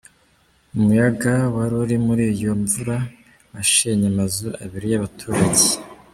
Umuyaga wari uri muri iyo mvura washenye amazu abiri y’abaturage.